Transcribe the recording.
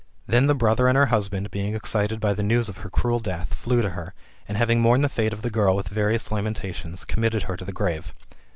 Then the brother and her husband, being excited by the news of her cruel death, flew to her, and having mourned the fate of the girl with various lamentations, committed her to the grave.